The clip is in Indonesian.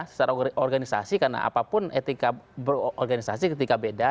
secara organisasi karena apapun etika berorganisasi ketika beda